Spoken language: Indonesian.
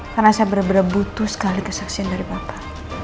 karena saya bener bener butuh sekali kesaksian dari papa